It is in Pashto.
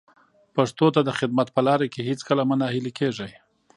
پښتو ته د خدمت په لاره کې هیڅکله مه ناهیلي کېږئ.